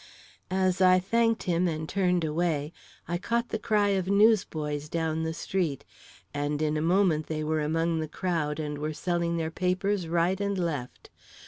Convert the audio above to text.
As I thanked him and turned away, I caught the cry of newsboys down the street, and in a moment they were among the crowd and were selling their papers right and left.